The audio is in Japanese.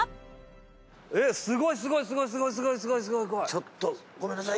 ちょっとごめんなさい。